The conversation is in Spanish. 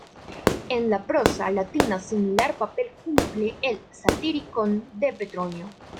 En la prosa latina similar papel cumple "El Satiricón" de Petronio.